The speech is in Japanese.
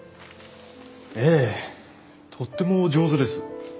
ええとてもお上手です。